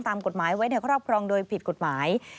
ตามกฎหมายไว้ในครอบครองโดยผิดกฎหมาย